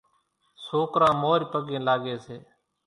سوڪران مورِ پڳين لاڳي سي،